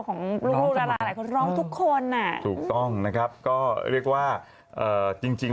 ของลูกละลายคนร้องทุกคนน่ะถูกต้องนะครับก็เรียกว่าจริง